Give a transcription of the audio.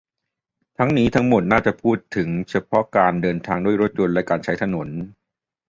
ทั้งนี้ ทั้งหมดน่าจะพูดถึงเฉพาะการเดินทางด้วยรถยนต์และการใช้ถนน